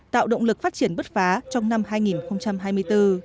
tạo động lực phát triển bất phá trong năm hai nghìn hai mươi bốn